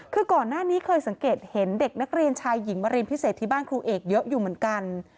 คือก่อนหน้านี้เคยสังเกตเห็นเด็กนักเรียนชายหญิงมาเรียนพิเศษที่บ้านครูเอกเยอะอยู่เหมือนกัน